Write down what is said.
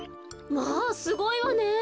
まあすごいわね。